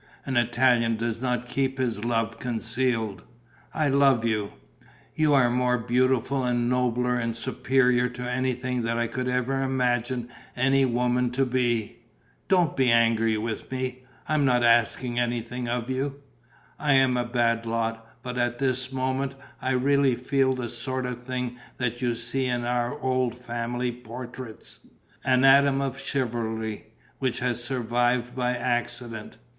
An Italian does not keep his love concealed. I love you. You are more beautiful and nobler and superior to anything that I could ever imagine any woman to be.... Don't be angry with me: I am not asking anything of you. I am a bad lot, but at this moment I really feel the sort of thing that you see in our old family portraits, an atom of chivalry which has survived by accident.